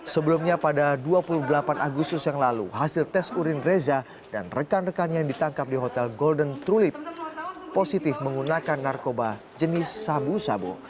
sebelumnya pada dua puluh delapan agustus yang lalu hasil tes urin reza dan rekan rekan yang ditangkap di hotel golden trulip positif menggunakan narkoba jenis sabu sabu